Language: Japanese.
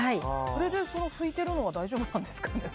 それで拭いてるのは大丈夫なんですかね